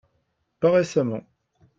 Pas récemment.